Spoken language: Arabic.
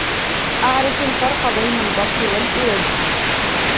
أعرف الفرق بين البط والإوز.